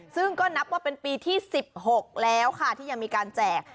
ซึ่งก็นับว่าเป็นปีที่๑๖แล้วค่ะที่ยังมีการแจก